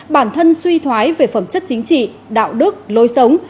bản thân suy thoái về phẩm chất chính trị đạo đức lối sống